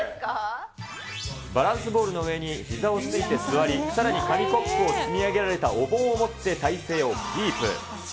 バランスボールの上にひざをついて座り、さらに紙コップを積み上げられたお盆を持って体勢をキープ。